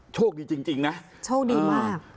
โชคดีจริงนะโชคดีมาก